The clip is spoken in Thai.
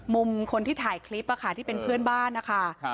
มุมคนที่ถ่ายคลิปที่เป็นเพื่อนบ้านนะคะ